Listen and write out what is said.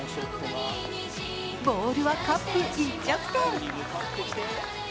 ボールはカップ一直線。